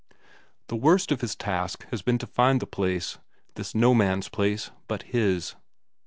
The worst of his task had been to find the place; this no man's place, but his.